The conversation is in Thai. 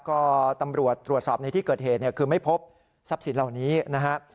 ก็ตำรวจตรวจสอบในที่เกิดเหตุเนี่ยคือไม่พบทรัพย์สินเหล่านี้นะครับ